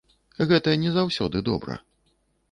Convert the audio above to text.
Гэта не заўсёды добра.